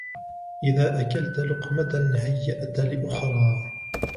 إذا أكلت لقمه هيأت لأخرى